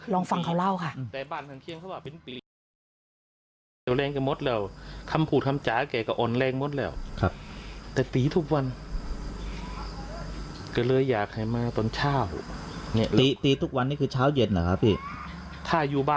ลองฟังเขาเล่าค่ะ